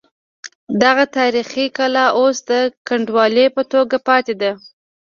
دغه تاریخي کلا اوس د کنډوالې په توګه پاتې ده.